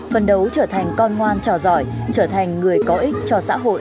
phân đấu trở thành con ngoan trò giỏi trở thành người có ích cho xã hội